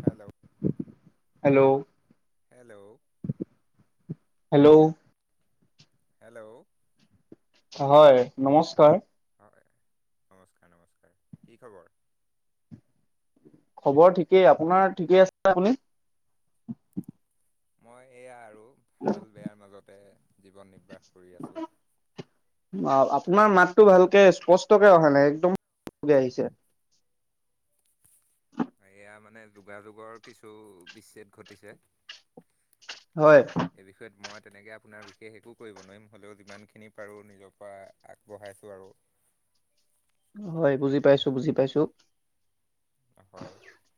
Hello, hello - hello, hello, hello, হয় নমস্কাৰ। হয় নমস্কাৰ -নমস্কাৰ কি খবৰ? খবৰ ঠিকেই আপোনাৰ ঠিকেই আছে আপুনি? মই এয়া আৰু ভাল বেয়াৰ মাজতে। জীৱন নিৰ্বাহ কৰি আছো। তোমাৰ মাতটো ভালকে স্পষ্টকে অহা নাই একদম [inaudible] আহিছে। [inaudible] এয়া মানে যোগাযোগৰ কিছু বিচ্ছেদ ঘটিছে। হয় এই বিষয়ত মই তেনেকে আপোনাৰ বিশেষ একো কৰিব নোৱাৰিম হ'লেও যিমানখিনি পাৰো নিজৰ পৰা আগবঢ়াইছো আৰু হয়, বুজি পাইছো- বুজি পাইছো। হয়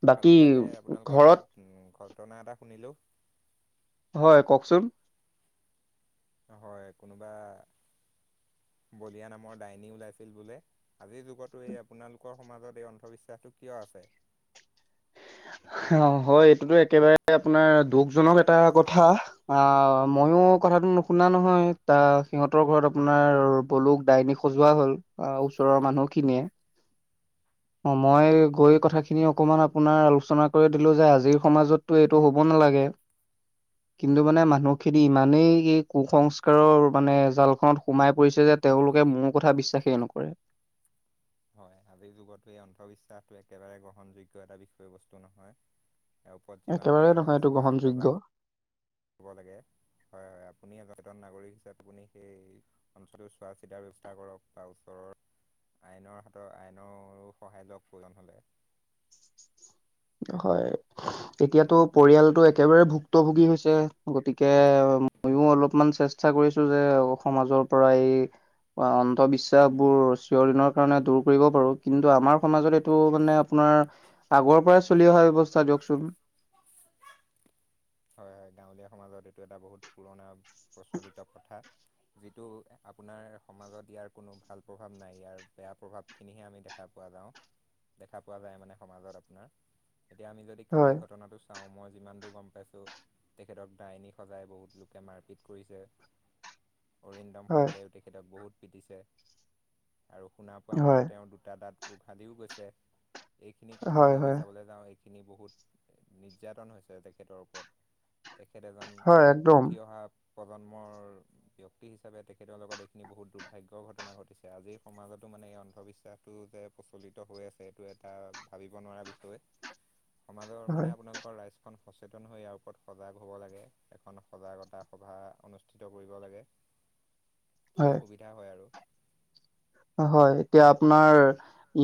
বাকী কালি তাতে আপোনালোকৰ ঘৰত তাত ঘটনা এটা শুনিলোঁ হয় কওকচোন হয় কোনোবা [inaudible] বলিয়া নামৰ ডাইনী ওলাইছিল বোলে আজিৰ যুগতো এই আপোনালোকৰ সমাজত এই অন্ধবিশ্বাসটো কিয় আছে ফে [inaudible] অ হয় এইটোতো একেবাৰে আপোনাৰ দুখ জনক এটা কথা আহ ম ময়ো কথাটো নুশুনা নহয় ত সিহঁতৰ ঘৰত আপোনাৰ পলুক ডাইনী সজোৱা হ'ল বা ওচৰৰ মানুহ খিনিয়ে অ মই গৈ কথাখিনি অকমান আপোনাৰ আলোচনা কৰি দিলো যে আজিৰ সমাজতো এইটো হ'ব ন লাগে কিন্তু মানে মানুহখিনি ইমানেই এই কুসংস্কাৰৰ মানে জাল খনত সোমাই পৰিছে যে তেওঁলোকে মোৰ কথা বিশ্বাসেই নকৰে হয় আজিৰ যুগতো এই অন্ধবিশ্বাসটো একেবাৰে গ্ৰহণযোগ্য এটা বিষয়বস্তু নহয় ই ওপৰত যিমান একেবাৰে পাৰে নহয় ৰাইজ এইটো সিমান গ্ৰহণযোগ্য সজাগ হব হব লাগে হয় হয় আপুনি এজন সচেতন নাগৰিক হিচাপে আপুনি সেই অঞ্চলটোৰ চোৱা চিতাৰ ব্যৱস্থা কৰক বা ওচৰৰ আইনৰ হাতত আইনৰো সহায় লক প্ৰজন হ'লে হয় এতিয়াতো পৰিয়ালতটো একেবাৰে ভুক্তভোগী হৈছে গতিকে ময়ো অলপমান চেষ্টা কৰিছো যে সমাজৰ পৰা এই বা অন্ধবিশ্বাস বোৰ চিৰৰদিনৰ কাৰণে দূৰ কৰিব পাৰো কিন্তু আমাৰ সমাজত এইটো মানে আপোনাৰ আগৰ পৰাই চলি অহা ব্যৱস্থা দিয়কচোন হয় হয় গাঁৱলীয়া সমাজত এইটো এটা বহুত পুৰণা প্ৰচলিত প্ৰথা যিটো আপোনাৰ সমাজত ইয়াৰ কোনো ভাল প্ৰভাৱ নাই ইয়াৰ বেয়া প্ৰভাৱ খিনিহে আমি দেখা দেখা পোৱা যাওঁ দেখা পোৱা যায় মানে সমাজত আপোনাৰ এতিয়া আমি যদি হয়। কালি ঘটনাটো চাও মই যিমান দূৰ গম পাইছো টো তেখেতক ডাইনী সজাই বহুত লোকে মাৰপিট কৰিছে অৰিন্দম হয়, শইকীয়ায়ো তেখেতক বহুত পিটিছে আৰু শুনা পোৱা হয়, মতে তেওঁ দুটা দাঁত উঘালিও গৈছে এইখিনি কথা হয়, যদি হয়, আমি চাবলৈ যাওঁ খিনি বহুত নিৰ্যাতন হৈছে তেখেতৰ ওপৰত তেখেত এজন হয়, একদম উঠি অহা প্ৰজন্মৰ ব্যক্তি হিচাপে তেখেতৰ লগত এইখিনি বহুত দুৰ্ভাগ্য ঘটনা ঘটিছে আজিৰ সমাজতো মান মানে এই অন্ধবিশ্বাসটো যে প্ৰচলিত হৈ আছে এইটো এটা ভাবিব নোৱাৰা বিষয় [unintelligible] সমাজৰ হয়, মানে আপোনালোকৰ ৰাইজখন সচেতন হৈ আ সজাগ হ'ব লাগে এখন সজাগতা সভা অনুষ্ঠিত কৰিব লাগে হয়, তেতিয়া সুবিধা হয় আৰু হয় এতিয়া আপোনাৰ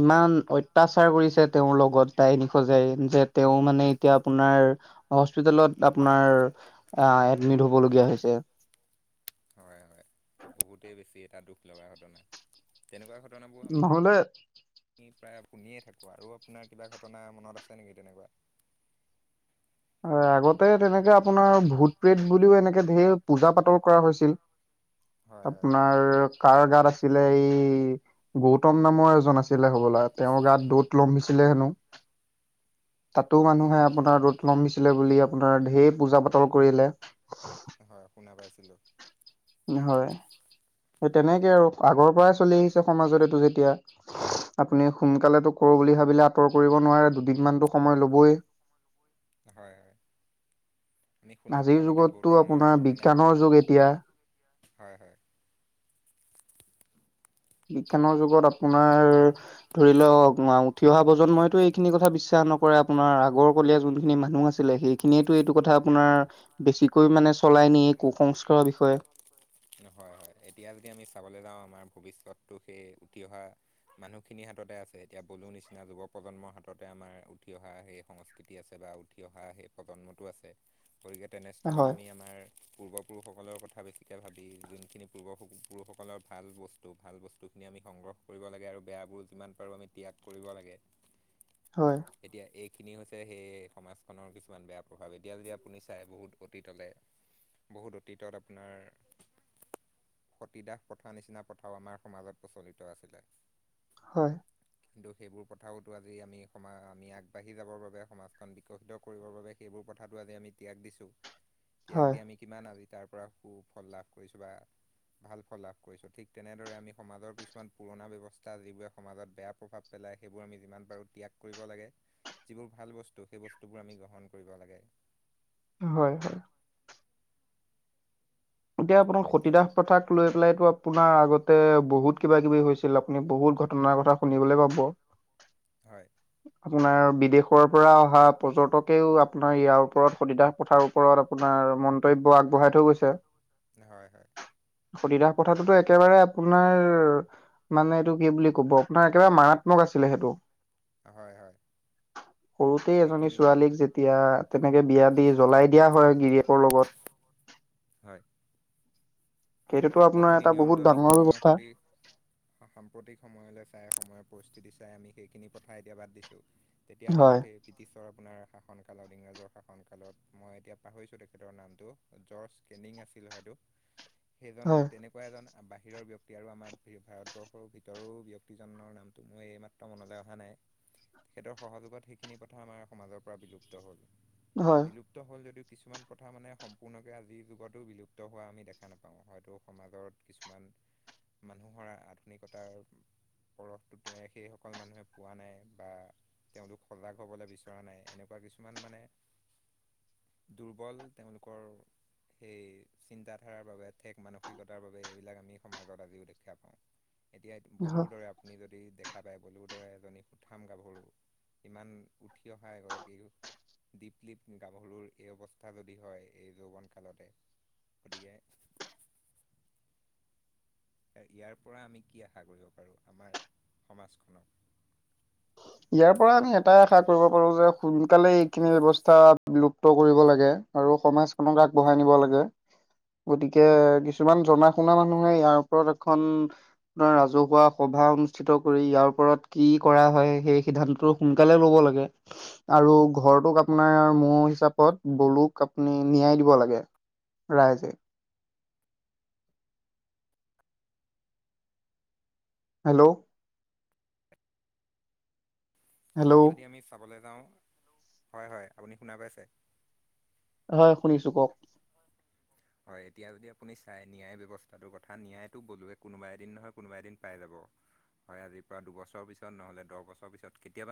ইমান অত্যাচাৰ কৰিছে তেওঁৰ লগত ডাইনী সজাই যে তেঁও মানে এতিয়া আপোনাৰ হস্পিটেলত আপোনাৰ এডমিত হব লগীয়া হৈছে টা দুখ লগা ঘটনা তেনেকুৱা ঘটনাবোৰ আমি নহ'লে আমি প্ৰায় শুনিয়েই থাকো আৰু আপোনাৰ কিবা ঘটনা মনত আছে নেকি তেনেকুৱা আগতে তেনেকে আপোনাৰ ভূত প্ৰেত বুলিও এনেকে ধেৰ পূজা পাতল কৰা হৈছিল হয় আপোনাৰ তাৰ গাত আছিলে এই গৌতম নামৰ এজন আছিলে হবলা তেওঁৰ গাত দৌত লমভিছিলে হেনো তাতো মানুহে হয় আপোনাৰ ৰ'দ লমভিছিলে বুলি আপোনাৰ ধেৰ পূজা পাতল কৰিলে হয় শুনা পাইছিলো হয় সেই তেনেকে আৰু আগৰ পৰাই চলি আহিছে সমাজত এইটো যেতিয়া আপুনি সোনকালেটো কৰো বুলি ভাবিলে আঁতৰ কৰিব নোৱাৰে দুদিন মানতো সময় ল'বই হয়, হয়। আমি শুনা আজিৰ পোৱা মতে যুগতটো গৌতমৰ আপোনাৰ মানে বিজ্ঞানৰ যুগ এতিয়া। হয়, হয়। বিজ্ঞানৰ যুগত আপোনাৰ ধৰি লওক উঠি অহা প্ৰজন্মইতো এইখিনি কথা বিশ্বাস নকৰে। আপোনাৰ আগৰ কলীয়া যোনখিনি মানুহ আছিলে সেইখিনিয়েতো এইটো কথা আপোনাৰ বেছি কৈ মানে চলাই নি কুসংস্কাৰৰ বিষয়ে হয়, হয়। এতিয়া যদি আমি চাবলৈ যাওঁ আমাৰ ভৱিষ্যতটো সেই উঠি অহা মানুহখিনিৰ হাততে আছে। এতিয়া বনো নিচিনা যুৱ প্ৰজন্মৰ হাততে আমাৰ উঠি অহা সেই সংস্কৃতি আছে। বা উঠি অহা সেই প্ৰজন্মটো আছে। গতিকে তেনেস্থলত হয় আমি আমাৰ পূৰ্ব [inaudible] কথা বেছিকৈ ভাবি যোনখিনি পূৰ্ব পুৰুষসকলৰ ভাল বস্তু, ভাল বস্তুখিনি আমি সংগ্ৰহ কৰিব লাগে। আৰু বেয়াবোৰ যিমান পাৰোঁ আমি ত্যাগ কৰিব লাগে হয় তেতিয়া এ খিনি হৈছে সেই সমাজখনৰ কিছুমান বেয়া প্ৰভাৱ এতিয়া যদি আপুনি চাই বহুত অতীতলে বহুত অতীতত আপোনাৰ সতীদাস পথাৰ নিচিনা পথাও আমাৰ সমাজত প্ৰচলিত আছিলে। হয়। কিন্তু সেইবোৰ প্ৰথাওতো আজি আমি সমা আমি আগবাঢ়ি যাবৰ বাবে সমাজখন বিকশিত কৰিবৰ বাবে সেইবোৰ প্ৰথাটো আজি আমি ত্যাগ দিছো, ত্যাগ হয় হয় দি আমি কিমান আজি তাৰ পৰা সুফল লাভ কৰিছোঁ বা ভাল ফল লাভ কৰিছোঁ। ঠিক তেনেদৰে আমি সমাজৰ কিছুমান পুৰণা ব্যৱস্থা যিবোৰে সমাজত বেয়া প্ৰভাৱ পেলা য় সেইবোৰ আমি যিমান পাৰো ত্যাগ কৰিব লাগে। যিবোৰ ভাল বস্তু সেই বস্তুবোৰ আমি গ্ৰহণ কৰিব লাগে। হয়, হয়। এতিয়া আপোনাক এতিয়া সতীদাস প্ৰথাক লৈ পেলাইটো আপোনাৰ আগত ততে বহুত কিবা-কিবি হৈছিল, আপুনি বহুত ঘটনাৰ কথা শুনিবলৈ পাব। হয়। আপোনাৰ বিদেশৰ পৰা অহা পৰ্যটকেও আপোনাৰ ইয়াৰ ওপৰত সতীদাহ পথাৰ ওপৰত আপোনাৰ আৰু মন্তব্য আগবঢ়াই থৈ গৈছে। হয়, হয়। সতীদাহ প্ৰথাটোতো একেবাৰে আপোনাৰ মানে এইটো কি বুলি কব, আপোনাৰ একেবাৰে মাৰাত্মক আছিলে সেইটো। হয় হয় সৰুতে এজনী সেইখিনি ছোৱালীক যেতিয়া তেনেকে বিয়া দি জলাই দিয়া হয় গিৰিয়েকৰ লগত হয়। সেইটোতো আপোনাৰ সেইখিনি এটা বহুত নিয়মটো আমি ডাঙৰ সময়ৰ ব্যৱস্থা সতি সাম সাম্প্ৰতিক সময়লৈ চাই সময়ৰ পৰিস্থিতি চাই আমি সেইখিনি কথা এতিয়া বাদ দিছো। তেতিয়া হয় দিনত সেই ব্ৰিটিছ আপোনাৰ শাসন কালত, ইংৰাজৰ শাসন কালত মই এতিয়া পাহৰিছো তেখেতৰ নামটো জৰ্জ কেনিং আছিল হয়তো। হয়। এনেকুৱা এজন বাহিৰৰ ব্যক্তি আৰু আমাৰ ভাৰতবৰ্ষৰ ভিতৰো ব্যক্তিজনৰ নামটো মই এইমাত্ৰ মনত অহা নাই। তেখেতৰ সহযোগত সেইখিনি কথা আমাৰ সমাজৰ পৰা বিলুপ্ত হ'ল। হয় বিলুপ্ত হ'ল যদি কিছুমান প্ৰথা মানে সম্পূৰ্ণকৈ আজিৰ যুগতো বিলুপ্ত হোৱা আমি দেখা নাপাওঁ। হয়তো সমাজত কিছুমান মানুহৰ আধুনিকতাৰ পৰফটো সেই সকল মানুহে পোৱা নাই বা তেওঁলোক সজাগ হবলৈ বিচৰা নাই। এনেকুৱা কিছুমান মানে [inaudible] দুৰ্বল তেওঁলোকৰ সেই চিন্তাধাৰাৰ বাবে ঠেক মানস সিকতাৰ বাবে এইবিলাক আমি সমাজত আজিও দেখা পাওঁ। এতিয়া হয়। বলুৰ দৰে আপুনি যদি য দেখা পায় বলিউডৰ এজনী সুঠাম গাভৰু ইমান উঠি অহা এগৰাকী দীপলিপ গাভৰুৰ এই অৱস্থা যদি হয় এই যৌৱন কালতে। গতিকে ইয়াৰ পৰা আমি কি আশা কৰিব পাৰোঁ আমাৰ সমাজখনক ইয়াৰ পৰা আমি এটাই আশা কৰিব পাৰো যে সোনকালে এইখিনি ব্যৱস্থা বিলুপ্ত কৰিব লাগে আৰু সমাজখনক আগবঢ়াই নিব লাগে। গতিকে কিছুমান জনা শুনা মানুহে ইয়াৰ ওপৰত এখন ৰাজহুৱা সব ভা অনুষ্ঠিত কৰি ইয়াৰ ওপৰত কি কৰা হয় সেই সিদ্ধান্তটো সোনকালে ল'ব লাগে আৰু ঘৰতোক আপোনাৰ মোৰ হিচাপত বলুক আপুনি নিয়াই দিব লাগে ৰাইজে হেল্ল' এতিয়া হেল্ল' যদি আমি চাবলৈ যাওঁ হয় হয় আপুনি শুনা পাইছে। হয় শুনিছো কওক। হয় এতিয়া যদি আপুনি চাই ন্যায় ব্যৱস্থাটোৰ কথা ন্যায় গলোৱে কোনোবা এদিন নহয় কোনোবা এদিন পাই যাব। [inaudible] হয় আজিৰ পৰা দুবছৰৰ পিছত নহলে দহ বছৰৰ পিছত কেতিয়াবা